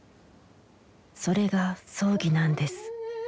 それが葬儀なんです」。